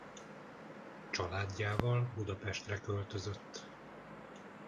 Családjával Budapestre költözött.